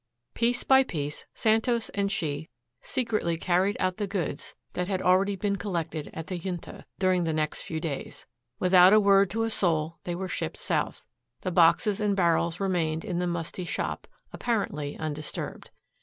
Piece by piece, Santos and she secretly carried out the goods that had already been collected at the Junta, during the next few days. Without a word to a soul they were shipped south. The boxes and barrels remained in the musty shop, apparently undisturbed.